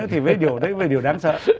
thì đấy là điều đáng sợ